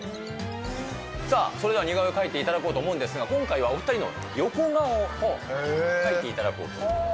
さあ、それでは似顔絵を描いていただこうと思うんですが、思うんですが、今回はお２人の横顔を書いていただこうと。